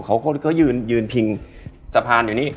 เขายืนยืนพิงสะพานอยู่นี่